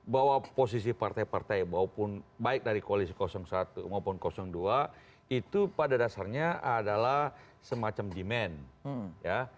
bahwa posisi partai partai baik dari koalisi satu maupun dua itu pada dasarnya adalah semacam demand ya